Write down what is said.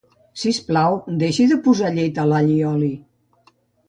Si us plau deixi de posar llet a l'all i oli